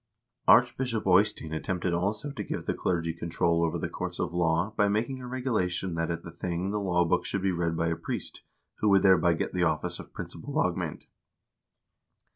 Archbishop Eystein attempted also to give the clergy control over the courts of law by making a regulation that at the thing the law book should be read by a priest, who would thereby get the office of principal lagmand.